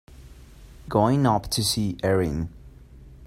Going up to see Erin.